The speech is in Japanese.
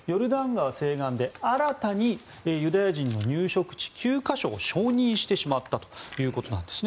西岸地区で新たにユダヤ人の入植地９か所を承認してしまったということなんです。